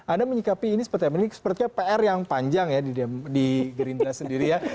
anda menyikapi ini seperti pr yang panjang ya di gerindra sendiri ya